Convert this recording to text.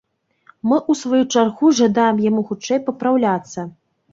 Мы ў сваю чаргу жадаем яму хутчэй папраўляцца!